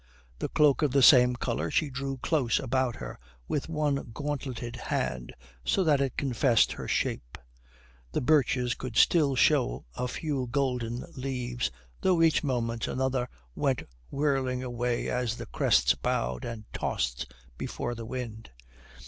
The cloak of the same colour she drew close about her with one gauntleted hand, so that it confessed her shape. The birches could still show a few golden leaves, though each moment another went whirling away as the crests bowed and tossed before the wind.